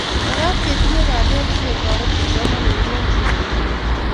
makat ketinye kaliet siketoret kipsomaninik eng siret nguay